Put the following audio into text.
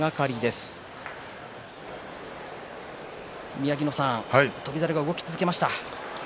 宮城野さん翔猿が動き続けました。